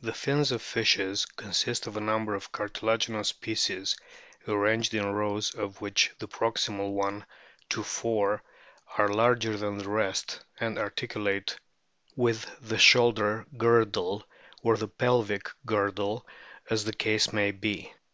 The fins of fishes consist of a number of cartila ginous pieces arranged in rows of which the proximal one to four are larger than the rest, and articulate with the shoulder girdle or the pelvic girdle as the case may be.